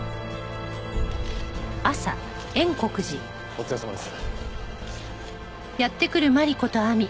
お疲れさまです。